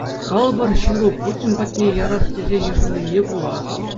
Калӑпӑр ҫыру Путин патне ярас тесе йышӑннине пула.